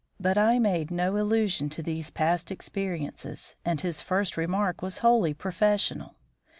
But I made no allusion to these past experiences, and his first remark was wholly professional.